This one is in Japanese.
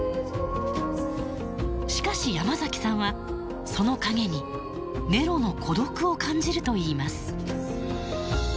しかしヤマザキさんはその陰にネロの孤独を感じると言います。